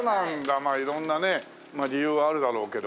まあ色んなね理由はあるだろうけどもね。